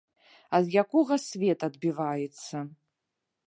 Ад якога свет адбіваецца.